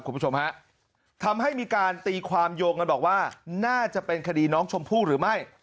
คุณผู้ชมฮะทำให้มีการตีความโยงกันบอกว่าน่าจะเป็นคดีน้องชมพู่หรือไม่